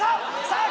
さあ